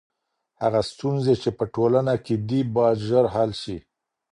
هغه ستونزي چي په ټولنه کي دي باید ژر حل سي.